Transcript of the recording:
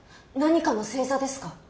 何かの星座ですか？